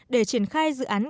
để triển khai dự án